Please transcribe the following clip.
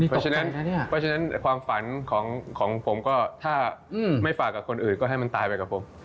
เพราะฉะนั้นเพราะฉะนั้นความฝันของผมก็ถ้าไม่ฝากกับคนอื่นก็ให้มันตายไปกับผม